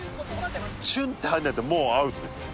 シュンッて入んないともうアウトですよね。